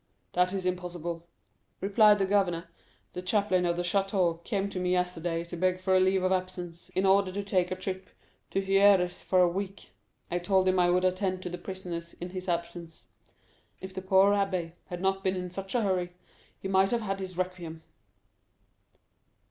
"That is impossible," replied the governor. "The chaplain of the château came to me yesterday to beg for leave of absence, in order to take a trip to Hyères for a week. I told him I would attend to the prisoners in his absence. If the poor abbé had not been in such a hurry, he might have had his requiem."